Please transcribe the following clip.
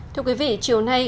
thưa quý vị chiều nay